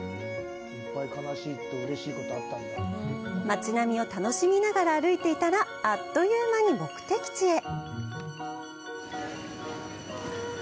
街並みを楽しみながら歩いていたら、あっという間に目的地へ。